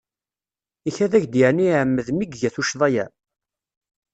Ikad-ak-d yeεni iεemmed mi iga tuccḍa-ya?